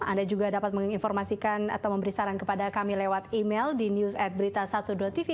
anda juga dapat menginformasikan atau memberi saran kepada kami lewat email di news ad berita satu ratus dua tv